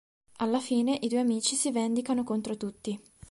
Alla fine i due amici si vendicano contro tutti.